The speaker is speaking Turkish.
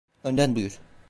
Önden buyur.